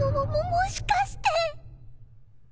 もしかして？